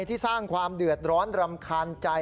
ที่สร้างความเดือดร้อนรำคาญใจ